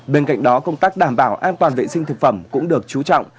bên cạnh đó công tác đảm bảo an toàn vệ sinh thực phẩm cũng được chú trọng